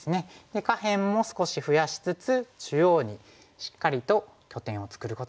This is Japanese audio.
下辺も少し増やしつつ中央にしっかりと拠点を作ることができましたね。